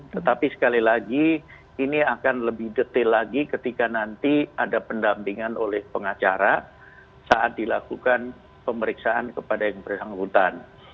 tetapi sekali lagi ini akan lebih detail lagi ketika nanti ada pendampingan oleh pengacara saat dilakukan pemeriksaan kepada yang bersangkutan